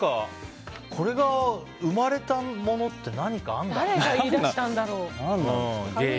これが生まれたものって何かあるんだろうね。